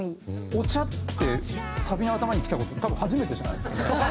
「お茶」ってサビの頭にきた事って多分初めてじゃないですかね。